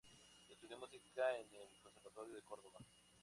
Estudió música en el Conservatorio de Córdoba.